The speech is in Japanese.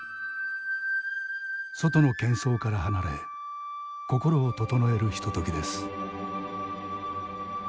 外のけん騒から離れ心を整えるひとときです。